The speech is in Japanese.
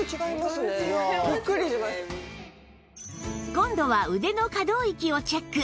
今度は腕の可動域をチェック